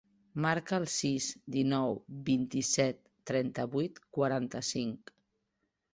Marca el sis, dinou, vint-i-set, trenta-vuit, quaranta-cinc.